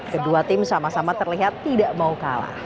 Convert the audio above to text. kedua tim sama sama terlihat tidak mau kalah